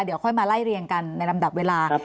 เดี๋ยวค่อยมาไล่เรียงกันในลำดับเวลา